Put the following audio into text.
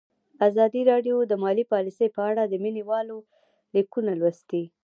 ازادي راډیو د مالي پالیسي په اړه د مینه والو لیکونه لوستي.